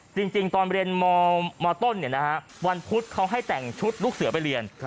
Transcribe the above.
จริงตอนเรียนมต้นวันพุธเขาให้แต่งชุดลูกเสือไปเรียน